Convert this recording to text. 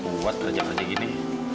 kuat kerja kerja gini